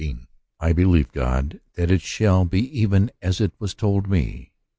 I believe God, that it shall be even as it was told me."